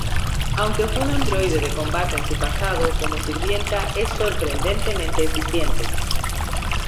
Aunque fue un androide de combate en su pasado, como sirvienta es sorprendentemente eficiente.